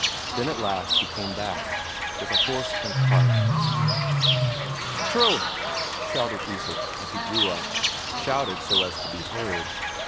Then at last he came back, with a horse and cart. "Piro!" shouted Isak as he drew up; shouted so as to be heard.